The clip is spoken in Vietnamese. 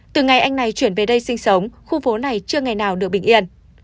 từ ngày anh này chuyển về đây sinh sống khu phố này chưa ngày nào được bình yên